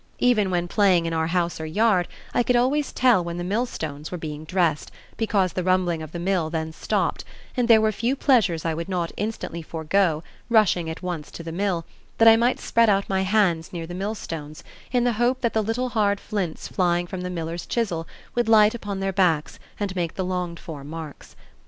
Even when playing in our house or yard, I could always tell when the millstones were being dressed, because the rumbling of the mill then stopped, and there were few pleasures I would not instantly forego, rushing at once to the mill, that I might spread out my hands near the mill stones in the hope that the little hard flints flying form the miller's chisel would light upon their backs and make the longed for marks.